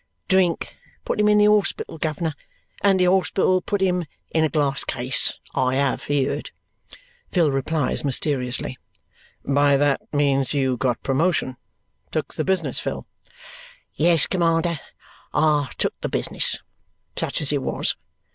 "Drink put him in the hospital, guv'ner, and the hospital put him in a glass case, I HAVE heerd," Phil replies mysteriously. "By that means you got promotion? Took the business, Phil?" "Yes, commander, I took the business. Such as it was.